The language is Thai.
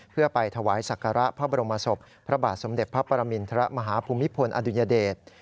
เพื่อไปถวายศักระพระบรมศพพระบาทสมเด็จพระปรมินทรมาฮภูมิพลอดุญเดช